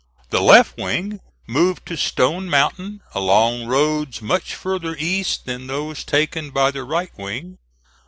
The left wing moved to Stone Mountain, along roads much farther east than those taken by the right wing.